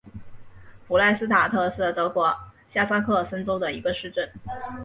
弗赖斯塔特是德国下萨克森州的一个市镇。